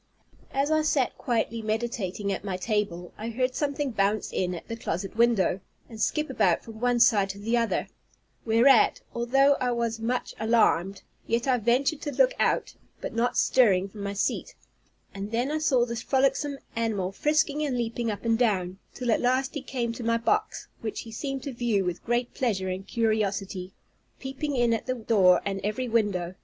As I sat quietly meditating at my table, I heard something bounce in at the closet window, and skip about from one side to the other; whereat, although I was much alarmed, yet I ventured to look out, but not stirring from my seat; and then I saw this frolicsome animal frisking and leaping up and down, till at last he came to my box, which he seemed to view with great pleasure and curiosity, peeping in at the door and every window.